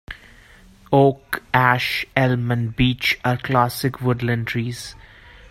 Oak, ash, elm and beech are classic woodland trees.